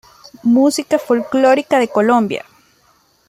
Música folclórica de Colombia